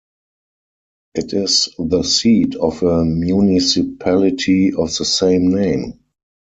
It is the seat of a municipality of the same name.